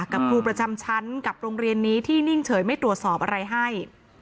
ครูประจำชั้นกับโรงเรียนนี้ที่นิ่งเฉยไม่ตรวจสอบอะไรให้